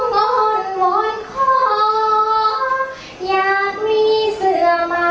โน้นวนคออยากมีเสื้อมัน